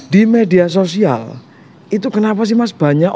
di media sosial itu kenapa sih mas